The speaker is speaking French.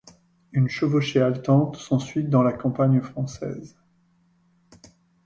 Une chevauchée haletante s'ensuit dans la campagne française.